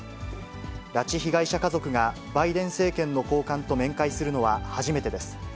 拉致被害者家族がバイデン政権の高官と面会するのは初めてです。